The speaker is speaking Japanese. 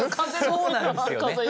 そうなんですよね。